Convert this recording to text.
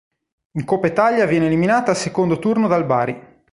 In Coppa Italia viene eliminata al secondo turno dal Bari.